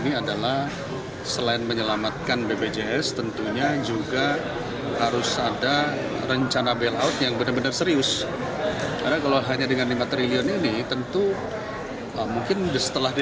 jadi kalau mau ngasih infus jangan tanggung tanggung